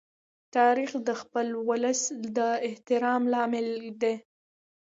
تاریخ د خپل ولس د احترام لامل دی.